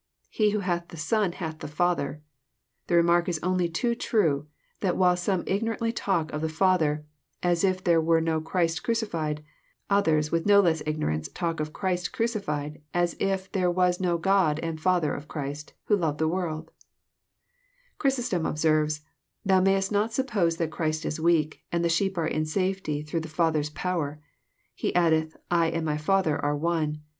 He who hath the Son hath the Father." The remark is only too true that while some ignorantly talk of the Father, as if there was no Christ crucified, others, with no less ignorance, talk of Christ crucified as if there was no God and Father of Christ, who loved the world I Chrysostom observes :'* That thou mayest not suppose that Christ is weak, and the sheep are in safety through the Father's power, He addeth, < I and the Father are one.'